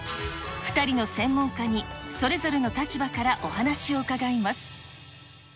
２人の専門家にそれぞれの立場からお話を伺います。